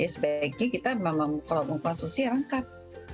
sebaiknya kita kalau mengkonsumsi lengkap